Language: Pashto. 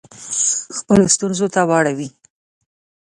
خپلو ستونزو ته واړوي.